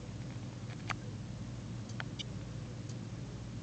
然而德莱尼平静的生活并没有持续很久。